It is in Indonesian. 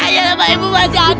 ayah bapak ibu masih ada